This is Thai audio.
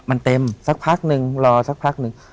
มันเต็มสักพักนึงรอสักพักหนึ่ง